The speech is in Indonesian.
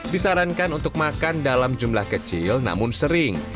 disarankan untuk makan dalam jumlah kecil namun sering